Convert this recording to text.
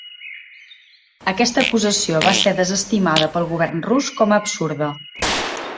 Aquesta acusació va ser desestimada pel govern rus com a "absurda".